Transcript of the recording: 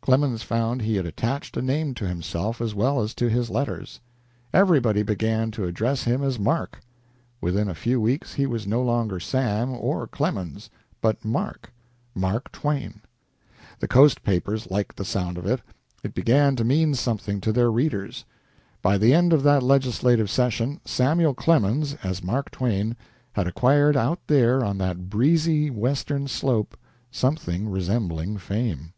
Clemens found he had attached a name to himself as well as to his letters. Everybody began to address him as Mark. Within a few weeks he was no longer "Sam" or "Clemens," but Mark Mark Twain. The Coast papers liked the sound of it. It began to mean something to their readers. By the end of that legislative session Samuel Clemens, as Mark Twain, had acquired out there on that breezy Western slope something resembling fame.